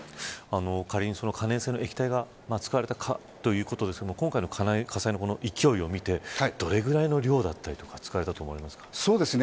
仮に可燃性の液体が使われたということですが今回の火災の勢いを見てどれぐらいの量だったりが使われたと思いますか。